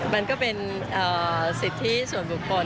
มันก็เป็นสิทธิส่วนบุคคล